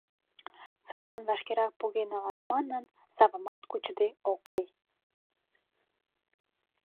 Садлан вашкерак поген налаш манын, савамат кучыде ок лий.